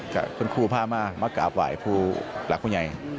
ก็คุณครูภามากมากกราบไหวคุณหลักคุณใหญ่